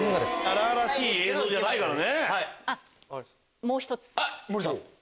荒々しい映像じゃないから。